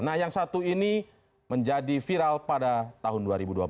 nah yang satu ini menjadi viral pada tahun dua ribu dua belas